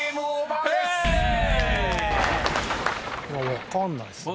分かんないですね。